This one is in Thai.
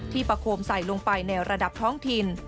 ประโคมใส่ลงไปในระดับท้องถิ่น